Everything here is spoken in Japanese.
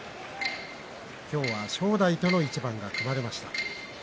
今日は正代との一番が組まれました。